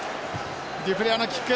デュプレアのキック。